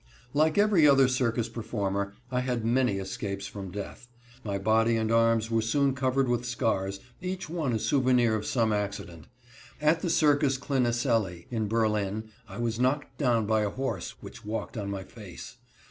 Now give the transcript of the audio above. Like every other circus performer I had many escapes from death. My body and arms were soon covered with scars, each one a souvenir of some accident. At the Circus Cliniselli in Berlin I was knocked down by a horse, which walked on my face.